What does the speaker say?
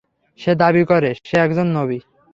সে দাবী করে, সে একজন নবী।